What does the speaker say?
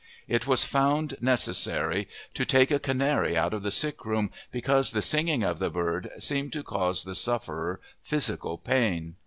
It was found necessary to take a canary out of the sickroom because the singing of the bird seemed to cause the sufferer physical pain.